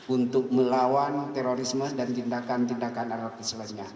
untuk melawan terorisme dan tindakan tindakan anarkis lainnya